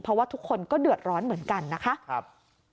เพราะว่าทุกคนก็เดือดร้อนเหมือนกันนะคะ